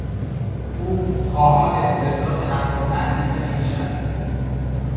او خواهان استرداد حقالتالیف خویش است.